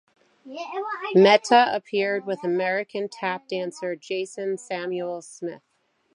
Mehta appeared with American tap dancer Jason Samuels Smith.